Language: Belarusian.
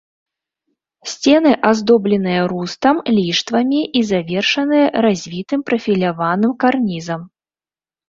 Сцены аздобленыя рустам, ліштвамі і завершаныя развітым прафіляваным карнізам.